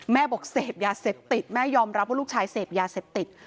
บอกเสพยาเสพติดแม่ยอมรับว่าลูกชายเสพยาเสพติด